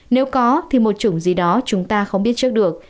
nếu có thì một chủng gì đó chúng ta không biết trước được